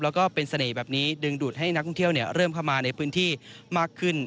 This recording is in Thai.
แล้วก็เป็นเสน่ห์แบบนี้ดึงดูดให้นักท่องเที่ยวเริ่มเข้ามาในพื้นที่มากขึ้น